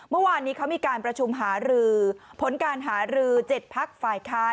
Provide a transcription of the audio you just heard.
เมื่อวานนี้เขามีการประชุมหารือผลการหารือ๗พักฝ่ายค้าน